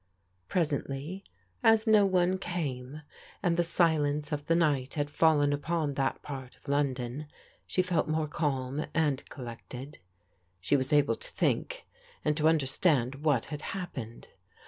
Presently, as no one came, and the silence of the ni^t had fallen upon that part of London, she fek more calm and collected. She was aUe to think and to understand what had happened.